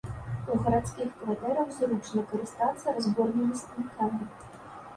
У гарадскіх кватэрах зручна карыстацца разборнымі станкамі.